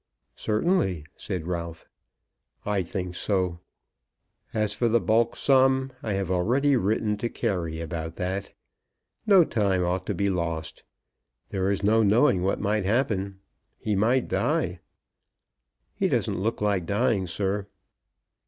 "Certainly," said Ralph. "I think so. As for the bulk sum, I have already written to Carey about that. No time ought to be lost. There is no knowing what might happen. He might die." "He doesn't look like dying, sir."